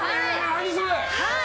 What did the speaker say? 何それ！